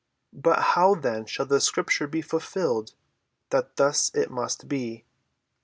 But how then shall the scriptures be fulfilled, that thus it must be?"